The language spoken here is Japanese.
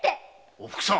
おふくさん！